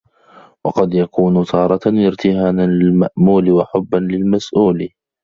وَقَدْ يَكُونُ تَارَةً ارْتِهَانًا لِلْمَأْمُولِ ، وَحُبًّا لِلْمَسْئُولِ